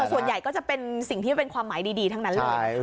ส่วนใหญ่ก็จะเป็นสิ่งที่เป็นความหมายดีทั้งนั้นเลย